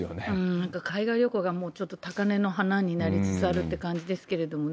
なんか、海外旅行がちょっと高根の花になりつつあるって感じですけれどもね。